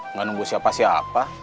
nggak nunggu siapa siapa